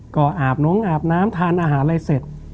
ก็อาบน้องอาบน้ำทานอาหารอะไรเสร็จ